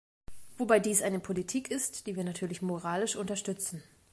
Wobei dies eine Politik ist, die wir natürlich moralisch unterstützen.